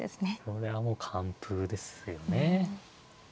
それはもう完封ですよね。